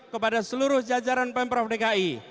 kepada seluruh jajaran pemprov dki